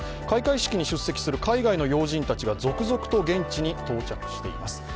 開会式に出席する海外の要人たちが続々と現地に到着しています。